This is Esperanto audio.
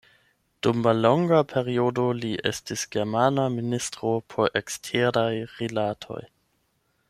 Dum mallonga periodo li estis germana ministro por Eksteraj Rilatoj.